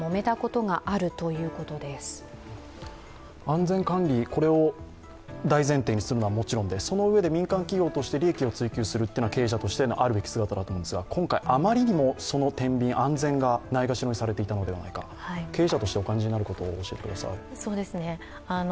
安全管理を大前提にするのはもちろんで、そのうえで民間企業として利益を追求するというのは経営者としてのあるべき姿だと思うんですが今回あまりにもそのてんびん、安全がないがしろにされていたのではないか、経営者としてお感じになることを教えてください。